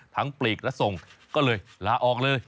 ปลีกและส่งก็เลยลาออกเลย